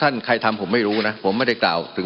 มันมีมาต่อเนื่องมีเหตุการณ์ที่ไม่เคยเกิดขึ้น